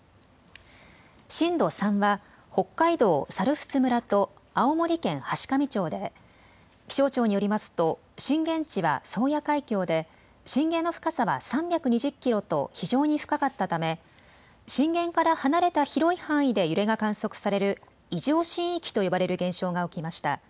震度３は北海道猿払村と青森県階上町で気象庁によりますと震源地は宗谷海峡で震源の深さは３２０キロと非常に深かったため震源から離れた広い範囲で揺れが観測される異常震域と呼ばれる現象が起きました。